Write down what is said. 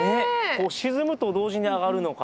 沈むと同時に上がるのか。